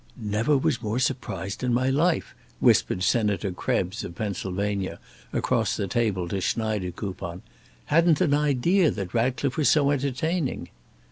"Never was more surprised in my life," whispered Senator Krebs, of Pennsylvania, across the table to Schneidekoupon. "Hadn't an idea that Ratcliffe was so entertaining."